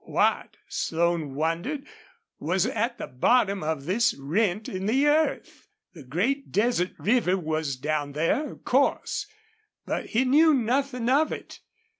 What, Slone wondered, was at the bottom of this rent in the earth? The great desert river was down there, of course, but he knew nothing of it.